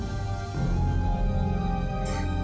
mereka kurangnya kesetxe